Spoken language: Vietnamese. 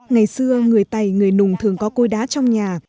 ngày xưa người tày người nùng thường có cối đá trong nhà